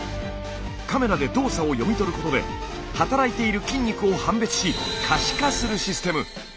カメラで動作を読み取ることではたらいている筋肉を判別し可視化するシステム。